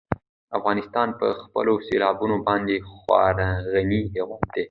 افغانستان په خپلو سیلابونو باندې خورا غني هېواد دی.